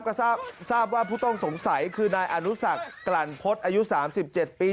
ก็ทราบว่าผู้ต้องสงสัยคือนายอนุสักกลั่นพฤษอายุ๓๗ปี